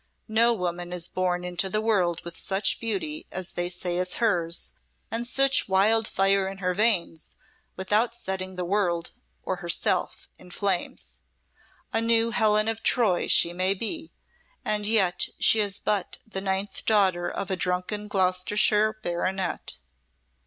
No woman is born into the world with such beauty as they say is hers, and such wild fire in her veins, without setting the world or herself in flames. A new Helen of Troy she may be, and yet she is but the ninth daughter of a drunken Gloucestershire baronet."